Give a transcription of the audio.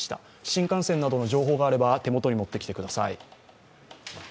新幹線などの情報があれば、手元に持ってきてください。